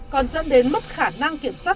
còn dẫn đến mất khả năng kiểm soát